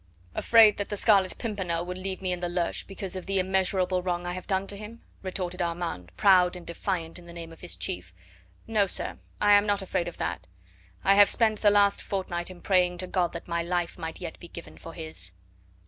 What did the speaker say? "Afraid that the Scarlet Pimpernel would leave me in the lurch because of the immeasurable wrong I have done to him?" retorted Armand, proud and defiant in the name of his chief. "No, sir, I am not afraid of that; I have spent the last fortnight in praying to God that my life might yet be given for his."